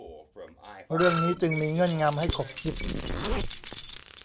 เรื่องนี้จึงมีเงื่อนงำ ให้ขบคิด